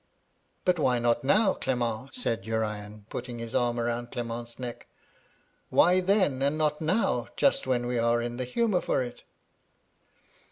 * But why not now, Clement? said Urian, putting his arm round Client's neck. *Why then, and not now, just when we are in the humour for it